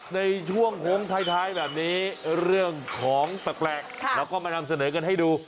ในช่วงโหงท้ายท้ายแบบนี้เรื่องของแปลกแปลกค่ะแล้วก็มาทำเสนอกันให้ดู